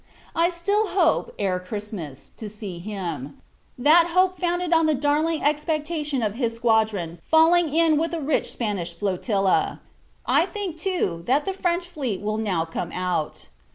I still hope, ere Christmas, to see him: that hope founded on the darling expectation of his squadron falling in with a rich Spanish flotilla. I think, too, that the French fleet will now come out.